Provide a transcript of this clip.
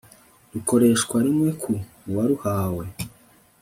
rukoreshwa rimwe ku waruhawe